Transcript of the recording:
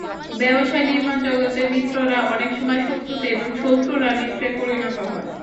ব্যবসার নির্মম জগতে মিত্ররা অনেক সময় শত্রুতে এবং শত্রুরা মিত্রে পরিণত হয়।